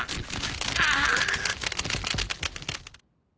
ああ！